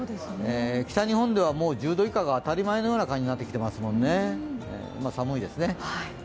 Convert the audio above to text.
北日本では１０度以下が当たり前のような感じになってきてますよね寒いですよね。